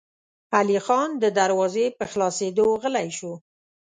علی خان د دروازې په خلاصېدو غلی شو.